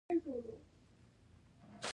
القدس خاموشه دی.